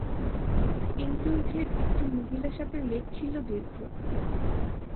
এই দৈর্ঘ্যের একটি মহিলা সাপের লেজ ছিল দীর্ঘ।